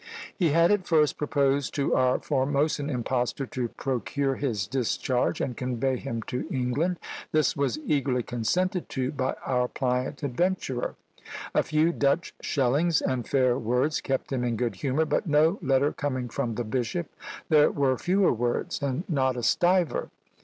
He had at first proposed to our Formosan impostor to procure his discharge, and convey him to England; this was eagerly consented to by our pliant adventurer. A few Dutch schellings, and fair words, kept him in good humour; but no letter coming from the bishop, there were fewer words, and not a stiver!